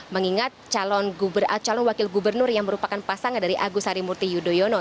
mengingat calon wakil gubernur yang merupakan pasangan dari agus harimurti yudhoyono